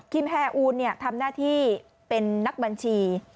แอร์อูนทำหน้าที่เป็นนักบัญชี